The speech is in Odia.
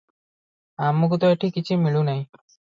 ଆମକୁ ତ ଏଠି କିଛି ମିଳୁ ନାହିଁ ।